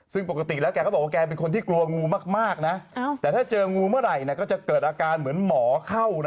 ซึ่งปกติแล้วแกก็บอกว่าแกเป็นคนที่กลัวงูมากนะแต่ถ้าเจองูเมื่อไหร่ก็จะเกิดอาการเหมือนหมอเข้านะ